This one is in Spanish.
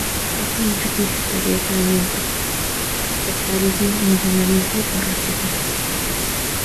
Eso no significaría aislamiento, sectarismo, nacionalismo o racismo.